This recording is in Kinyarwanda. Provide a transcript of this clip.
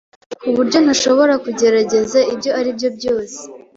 kuburyo ntashobora kugerageza ibyo aribyo byose